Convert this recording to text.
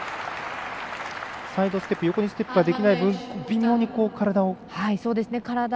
サイドステップ横にステップができない分微妙に体を。